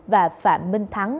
và phạm minh thắng